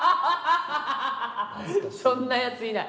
そんなやついない！